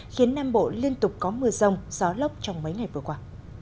khiến nam bộ liên tục có mưa rông gió lốc trong mấy ngày vừa qua